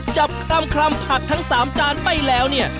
จับคลำผักทั้ง๓จานไปแล้วเนี่ย